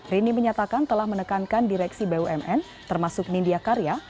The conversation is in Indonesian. rini menyatakan telah menekankan direksi bumn termasuk nindya karya